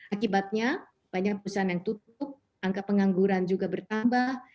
akibatnya banyak perusahaan yang tutup angka pengangguran juga bertambah